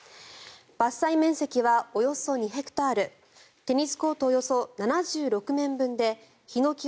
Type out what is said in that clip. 伐採面積はおよそ２ヘクタールテニスコートおよそ７６面分でヒノキ